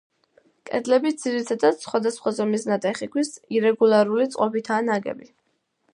კედლები ძირითადად სხვადასხვა ზომის ნატეხი ქვის ირეგულარული წყობითაა ნაგები.